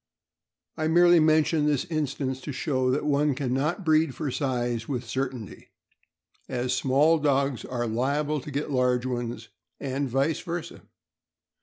I merely mention this instance to show that one can not breed for size with certainty, as small dogs are liable to get large ones, and vice versa.